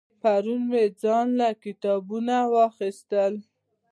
پرون مې ځان له کتابونه واغستل